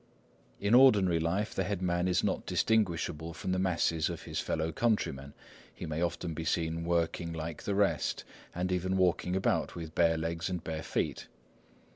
In ordinary life the head man is not distinguishable from the masses of his fellow countrymen. He may often be seen working like the rest, and even walking about with bare legs and bare feet.